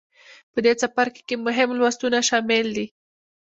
په دې څپرکې کې مهم لوستونه شامل دي.